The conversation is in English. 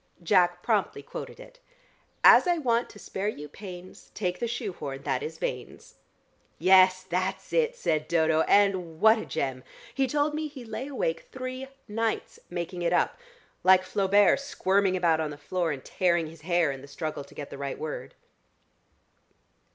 Jack promptly quoted it: "As I want to spare you pains Take the shoe horn that is Vane's." "Yes, that's it," said Dodo. "And what a gem! He told me he lay awake three nights making it up, like Flaubert squirming about on the floor and tearing his hair in the struggle to get the right word."